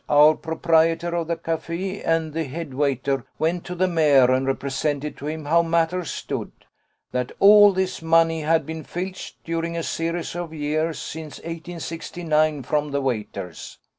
Our proprietor of the café and the head waiter went to the mayor and represented to him how matters stood that all this money had been filched during a series of years since 1869 from the waiters.